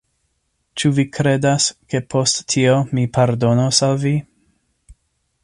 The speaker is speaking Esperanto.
Ĉu vi kredas, ke post tio mi pardonos al vi?